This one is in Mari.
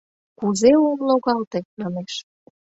«Кузе ом логалте? — манеш.